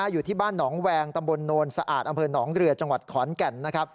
อยู่ที่บ้านหนองแวงตำบลโนนสะอาดอำเภอหนองเรือจังหวัดขอนแก่นนะครับ